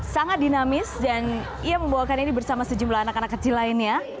sangat dinamis dan ia membawakan ini bersama sejumlah anak anak kecil lainnya